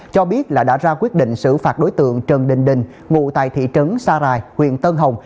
cho biết là đã ra quyết định xử phạt đối tượng trần đình đình ngụ tại thị trấn sa rài huyện tân hồng